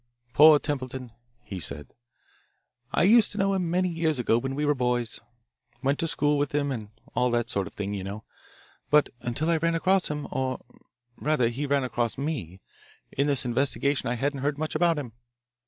"Poor Templeton," he said. "I used to know him years ago when we were boys. Went to school with him and all that sort of thing, you know, but until I ran across him, or rather he ran across me, in this investigation I hadn't heard much about him.